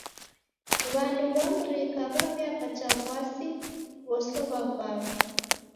W'andu w'a mrika w'aw'iapata w'asi ghosow'a vaghu.